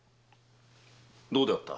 どうであった？